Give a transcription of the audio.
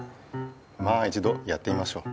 まあ一度やってみましょう。